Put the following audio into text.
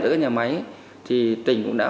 giữa các nhà máy thì tỉnh cũng đã